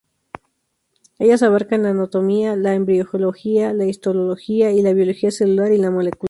Ellas abarcan la anatomía, la embriología, la histología, la biología celular y la molecular.